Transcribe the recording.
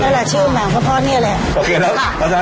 ใช่เพราะละชื่อแหม่งพ่อพ่อนี่แหละ